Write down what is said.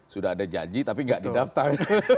sudah ada janji tapi nggak didaftar